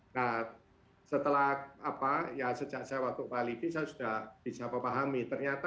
nah setelah apa ya sejak saya waktu bali saya sudah bisa memahami ternyata